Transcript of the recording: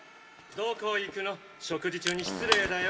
どこ行くの⁉食事中に失礼だよ！